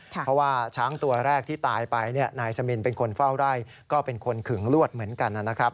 เพราะว่าช้างตัวแรกที่ตายไปนายสมินเป็นคนเฝ้าไร่ก็เป็นคนขึงลวดเหมือนกันนะครับ